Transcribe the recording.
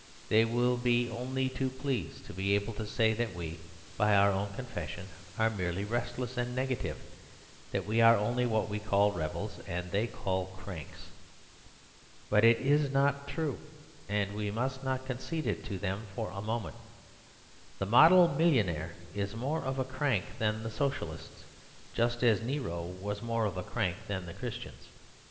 They will be only too pleased to be able to say that we, by our own confession, are merely restless and negative; that we are only what we call rebels and they call cranks. But it is not true; and we must not concede it to them for a moment. The model millionaire is more of a crank than the Socialists; just as Nero was more of a crank than the Christians.